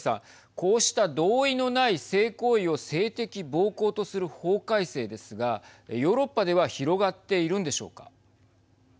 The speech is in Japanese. こうした同意のない性行為を性的暴行とする法改正ですがヨーロッパでは広がっているんでしょうか。